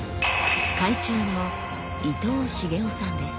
会長の伊藤繁男さんです。